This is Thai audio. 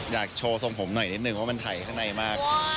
อยากโชว์ทรงผมหน่อยนิดนึงว่ามันถ่ายข้างในมาก